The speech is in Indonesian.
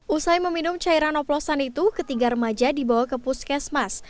usai meminum cairan oplosan itu ketiga remaja dibawa ke puskesmas